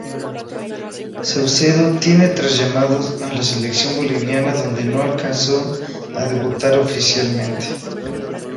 Saucedo tiene tras llamados a la Selección boliviana, donde no alcanzó a debutar oficialmente.